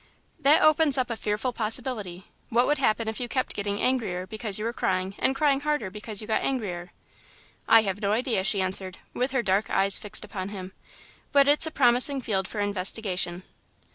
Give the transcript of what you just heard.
"That opens up a fearful possibility. What would happen if you kept getting angrier because you were crying and crying harder because you got angrier?" "I have no idea," she answered, with her dark eyes fixed upon him, "but it's a promising field for investigation."'